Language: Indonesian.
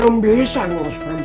belum bisa ngurus perempuan